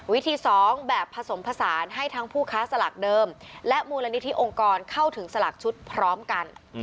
วิธี๒แบบผสมผสานให้ทั้งผู้ค้าสลากเดิมและมูลนิธิองค์กรเข้าถึงสลากชุดพร้อมกัน